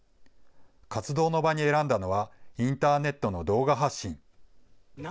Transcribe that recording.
活動の場に選んだのは、インターネットの動画発信。